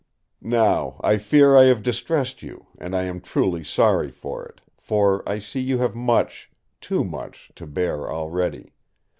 "Now I fear I have distressed you, and I am truly sorry for it; for I see you have much—too much—to bear already.